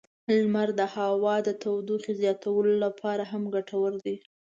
لمر د هوا د تودوخې زیاتولو لپاره هم ګټور دی.